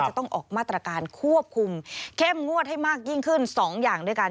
จะต้องออกมาตรการควบคุมเข้มงวดให้มากยิ่งขึ้น๒อย่างด้วยกัน